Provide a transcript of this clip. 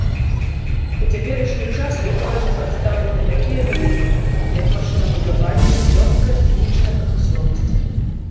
У цяперашні час у горадзе прадстаўлены такія галіны, як машынабудаванне, лёгкая, хімічная прамысловасць.